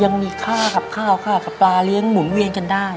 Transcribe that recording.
ยังมีค่ากับข้าวค่ากับปลาเลี้ยงหมุนเวียนกันได้